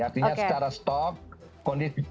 artinya secara stok kondisional